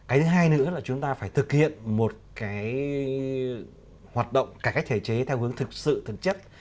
cái thứ hai nữa là chúng ta phải thực hiện một hoạt động cải cách thể chế theo hướng thực sự thực chất